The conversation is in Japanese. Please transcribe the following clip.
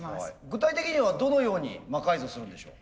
具体的にはどのように魔改造するんでしょう？